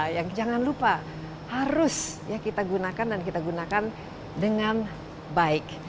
yang jangan lupa harus kita gunakan dan kita gunakan dengan baik